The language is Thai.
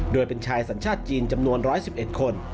โดยเป็นชายสัญชาติจีนจำนวน๑๑๑คน